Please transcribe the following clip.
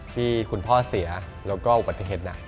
ที่คุณพ่อเสียแล้วก็อุบัติเหตุหนัก